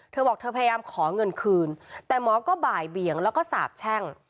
เธอบอกเธอพยายามขอเงินคืนแต่หมอก็บ่ายเบียงแล้วก็สาบแช่ง